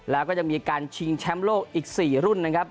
แล้วก็จะมีการชิงแชมป์โลกอีก๔รุ่นนะครับ